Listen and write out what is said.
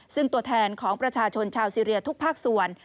ซึ่งตัวแทนของประชาชนชาวซีเรียทุกภาคส่วน